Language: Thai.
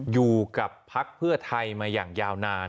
อยู่กับพักเพื่อไทยมาอย่างยาวนาน